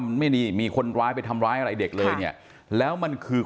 มันไม่ดีมีคนร้ายไปทำร้ายอะไรเด็กเลยเนี่ยแล้วมันคือ